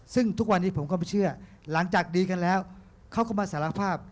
ซึ่งทุกวันนี้ผมก็ไม่เชื่อหลังจากดีกันแล้วเขาก็มาสารภาพ